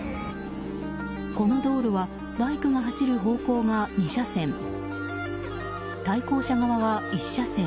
この道路はバイクが走る方向が２車線対向車側は１車線。